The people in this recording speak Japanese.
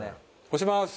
押します